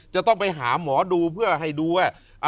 จะต้องไปหาหมอดูเพื่อให้ดูว่า